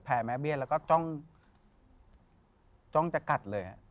แม่เบี้ยแล้วก็จ้องจะกัดเลย